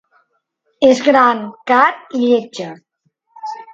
És gran, car, i lletja.